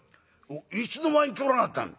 いつの間に取りやがったんだ？」。